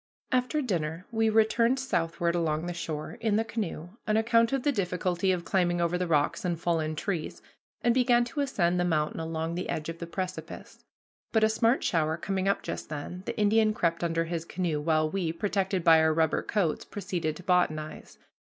After dinner we returned southward along the shore, in the canoe, on account of the difficulty of climbing over the rocks and fallen trees, and began to ascend the mountain along the edge of the precipice. But, a smart shower coming up just then, the Indian crept under his canoe, while we, protected by our rubber coats, proceeded to botanize.